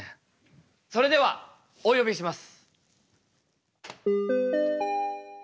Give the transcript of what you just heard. それではお呼びします。